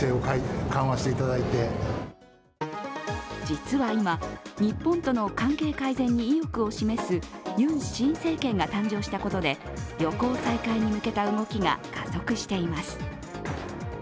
実は今日本との関係改善に意欲を示すユン新政権が誕生したことで旅行再開に向けた動きが加速しています。